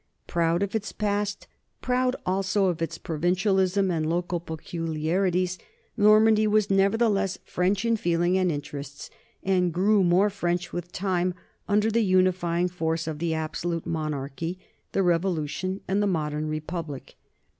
Proud of its past, proud also of its provincialisms and local peculiarities, Normandy was nevertheless French in feeling and in terests, and grew more French with time under the unifying force of the absolute monarchy, the Revolu tion, and the modern republic.